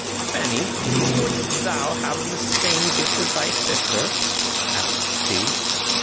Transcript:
"Fanny, wouldst thou have the same gift as thy sister?" asked she.